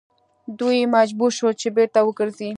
دوی مجبور شول چې بیرته وګرځي.